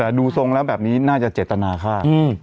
แต่ดูทรงแล้วแบบนี้น่าจะเจตนาฆ่า